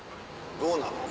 どうなの？